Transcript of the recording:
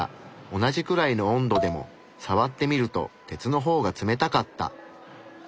同じくらいの温度でもさわってみると鉄の方が冷たかった。